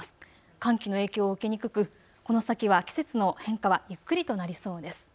寒気の影響を受けにくくこの先は季節の変化はゆっくりとなりそうです。